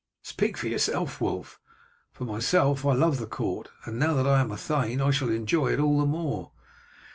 "Speak for yourself, Wulf; for myself I love the court, and now that I am a thane I shall enjoy it all the more."